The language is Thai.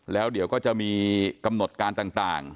แล้วเดี๋ยวก็จะมีกำหนดการต่าง